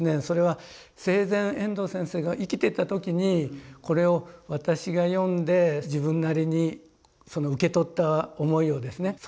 それは生前遠藤先生が生きてた時にこれを私が読んで自分なりに受け取った思いをですね